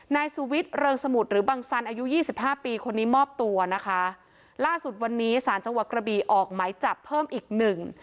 นายสุวิทย์เริงสมุทรหรือบังสันอายุยี่สิบห้าปีคนนี้มอบตัวนะคะล่าสุดวันนี้สารจังหวัดกระบีออกไหมจับเพิ่มอีกหนึ่ง